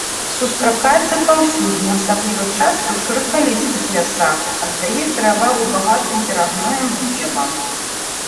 Сустракаецца паўсюдна, асабліва часта ў шыракалістых лясах, аддае перавагу багатым перагноем глебам.